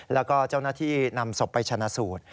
และเจ้าหน้าที่นำสบไปชนะสูด